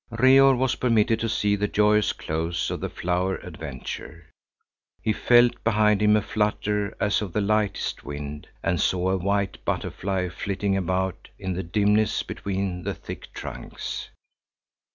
Reor was permitted to see the joyous close of the flower adventure. He felt behind him a flutter as of the lightest wind and saw a white butterfly flitting about in the dimness between the thick trunks.